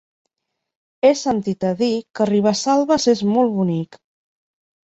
He sentit a dir que Ribesalbes és molt bonic.